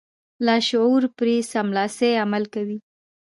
لاشعور پرې سملاسي عمل کوي.